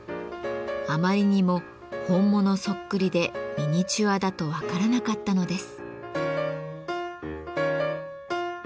あまりにも本物そっくりでミニチュアだと分からなかったのです。